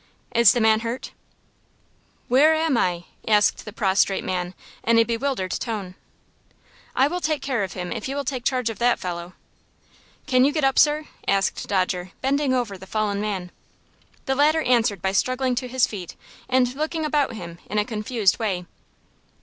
"Is the man hurt?" "Where am I?" asked the prostrate man, in a bewildered tone. "I will take care of him, if you will take charge of that fellow." "Can you get up, sir?" asked Dodger, bending over the fallen man. The latter answered by struggling to his feet and looking about him in a confused way.